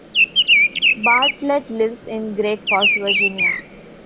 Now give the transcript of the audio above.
Bartlett lives in Great Falls, Virginia.